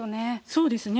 そうですね。